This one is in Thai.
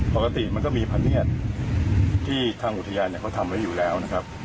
ปกติมันก็มีพะเนียดที่ทางอุทยานเขาทำไว้อยู่แล้วนะครับ